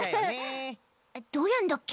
どうやんだっけ？